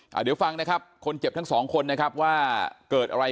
เดี๋ยวฟังนะครับคนเจ็บทั้งสองคนนะครับว่าเกิดอะไร